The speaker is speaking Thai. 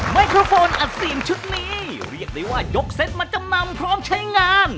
ไมโครโฟนอัดเสียงชุดนี้เรียกได้ว่ายกเซ็ตมาจำนำพร้อมใช้งาน